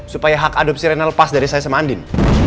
supaya hak adopsi rena lepas dari saya sama andin